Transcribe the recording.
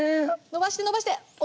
のばしてのばして！